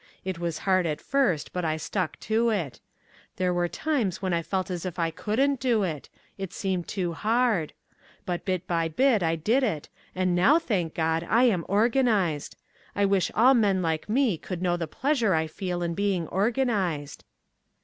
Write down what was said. It was hard at first but I stuck to it. There were times when I felt as if I couldn't do it. It seemed too hard. But bit by bit I did it and now, thank God, I am organized. I wish all men like me could know the pleasure I feel in being organized."